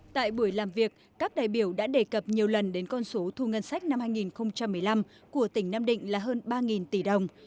tại buổi làm việc các đại biểu đã đề cập nhiều lần đến con số thu ngân sách năm hai nghìn một mươi năm của tỉnh nam định là hơn ba tỷ đồng